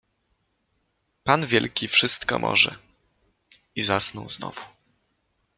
Pan wielki wszystko może — i zasnął znowu.